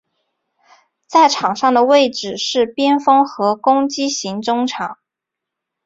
在场上的位置是边锋和攻击型中场。